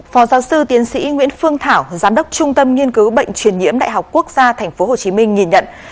phó giáo sư tiến sĩ nguyễn phương thảo giám đốc trung tâm nghiên cứu bệnh truyền nhiễm đại học quốc gia tp hcm nhìn nhận